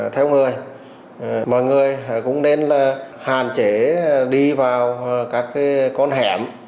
theo người mọi người cũng nên hạn chế đi vào các con hẻm